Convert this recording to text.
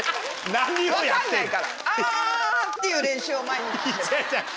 分かんないからあっていう練習を毎日。